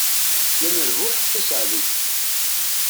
D amerbuḥ, d asaɛdi!